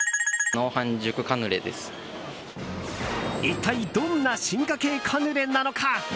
一体どんな進化形カヌレなのか。